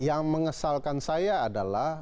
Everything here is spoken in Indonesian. yang mengesalkan saya adalah